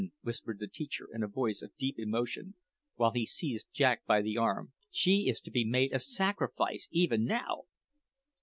whispered the teacher in a voice of deep emotion; while he seized Jack by the arm, "she is to be made a sacrifice even now!"